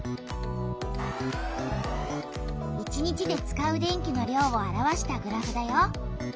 １日で使う電気の量を表したグラフだよ。